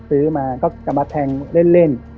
ซื้อมาก็กำลังแทงเล่น